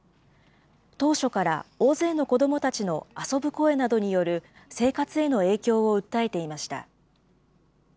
当初から大勢の子どもたちの遊ぶ声などによる生活への影響を訴えていました。